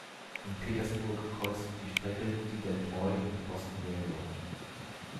In Petersburg kreuzte die Strecke die der Troy and Boston Railroad.